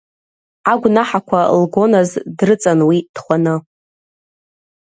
Агәнаҳақәа лгоназ дрыҵан уи дхәаны.